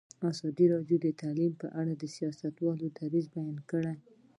ازادي راډیو د تعلیم په اړه د سیاستوالو دریځ بیان کړی.